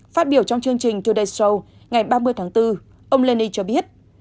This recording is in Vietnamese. phát biểu trong chương trình today show ngày ba mươi tháng bốn ông lenny cho biết